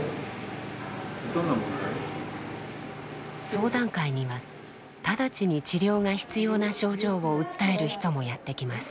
相談会には直ちに治療が必要な症状を訴える人もやって来ます。